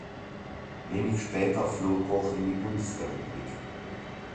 Wenig später floh Koch in die Bundesrepublik.